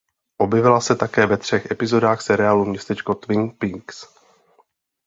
Objevila se také ve třech epizodách seriálu "Městečko Twin Peaks".